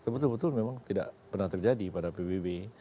betul betul memang tidak pernah terjadi pada pbb